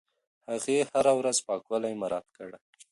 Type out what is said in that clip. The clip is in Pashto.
هغې هره ورځ پاکوالی مراعت کړی.